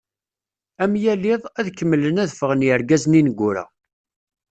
Am yal iḍ, ad kemmlen ad fɣen yergazen ineggura.